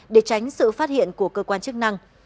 để tránh sự phát hiện của cơ quan chức năng